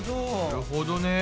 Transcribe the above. なるほどね。